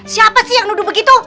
siapa sih yang nuduh begitu